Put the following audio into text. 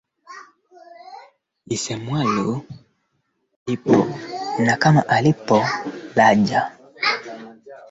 kiwango cha chini cha uwekezaji ni shilingi laki tano